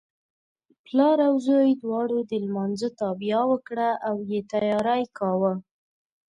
پلار او زوی دواړو د لمانځه تابیا وکړه او یې تیاری کاوه.